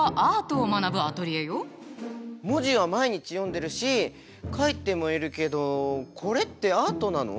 文字は毎日読んでるし書いてもいるけどこれってアートなの？